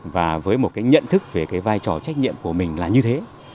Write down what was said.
và với một nhận thức về vai trò trách nhiệm của mình là như thế